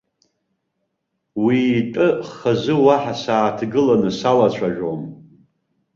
Уи итәы хазы уаҳа сааҭгылаы салацәажәом.